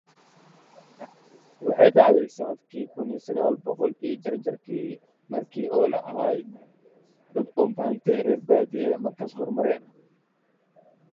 Eskimo music is Inuit-Yupik music.